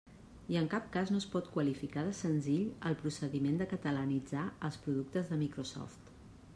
I en cap cas no es pot qualificar de senzill el procediment de catalanitzar els productes de Microsoft.